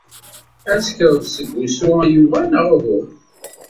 Ad tekkreḍ seg wusu a Yuba neɣ uhu?